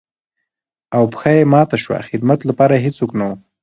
او پښه يې ماته شوه ،خدمت لپاره يې هېڅوک نه وو.